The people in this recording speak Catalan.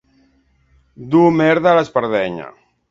Dur merda a l'espardenya.